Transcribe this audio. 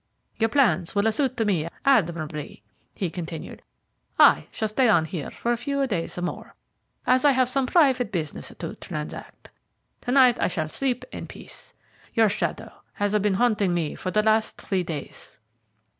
"Your plans will suit me admirably," he continued. "I shall stay on here for a few days more, as I have some private business to transact. To night I shall sleep in peace. Your shadow has been haunting me for the last three days."